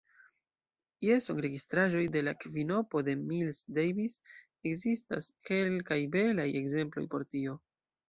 Je sonregistraĵoj de la kvinopo de Miles Davis ekzistas kelkaj belaj ekzemploj por tio.